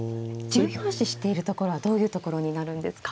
重要視しているところはどういうところになるんですか。